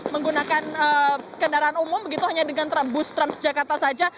menggunakan kendaraan umum begitu hanya dengan bus transjakarta saja